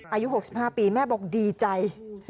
อายุ๖๕ปีแม่บอกดีใจ